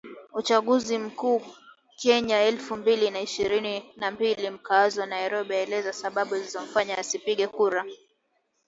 Uchaguzi Mkuu Kenya elfu mbili na ishirini na mbili Mkazi wa Nairobi aeleza sababu zilizomfanya asipige kura